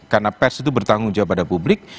karena pers itu bertanggung jawab pada publik